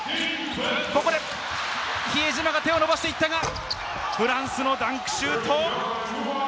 比江島が手を伸ばしていったが、フランスのダンクシュート。